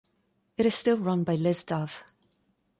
It is still run by Liz Dove.